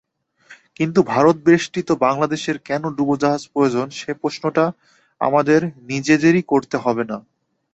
কিন্তু ভারতবেষ্টিত বাংলাদেশের কেন ডুবোজাহাজ প্রয়োজন, সেই প্রশ্নটা আমাদের নিজেদেরই করতে হবে।